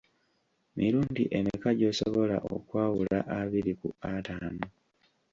Mirundi emeka gy’osobola okwawula abiri ku ataano?